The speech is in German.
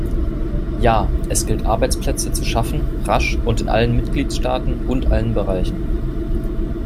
Ja, es gilt Arbeitsplätze zu schaffen, rasch und in allen Mitgliedstaaten und allen Bereichen.